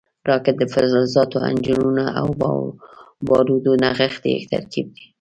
راکټ د فلزاتو، انجنونو او بارودو نغښتی ترکیب دی